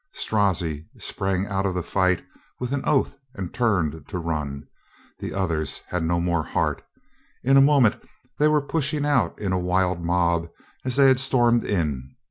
Strozzi sprang out of the fight with an oath and turned to run. The others had no more heart. In a moment they were pushing out in a wild mob as they had stormed in.